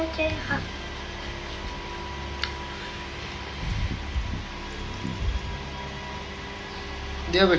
ใช่ไหม